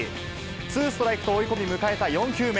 ツーストライクと追い込み、迎えた４球目。